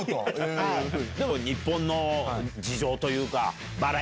日本の事情というか。